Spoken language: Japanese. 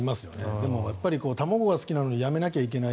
でも、卵が好きなのにやめなきゃいけない。